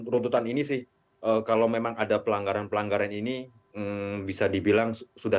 runtutan ini sih kalau memang ada pelanggaran pelanggaran ini bisa dibilang sudah